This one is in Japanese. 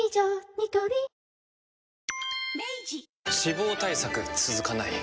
ニトリ脂肪対策続かない